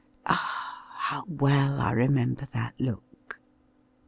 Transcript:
Ah, how well I remember that look!